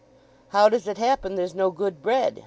"How does it happen there's no good bread?"